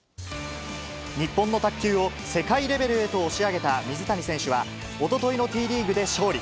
日本の卓球を世界レベルへと押し上げた水谷選手は、おとといのＴリーグで勝利。